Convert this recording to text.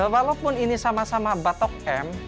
walaupun ini sama sama batok m